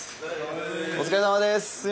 お疲れさまです！